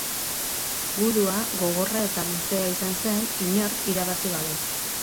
Gudua gogorra eta luzea izan zen, inork irabazi gabe.